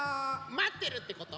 まってるってこと？